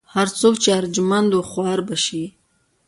هر څوک چې ارجمند و خوار به شي.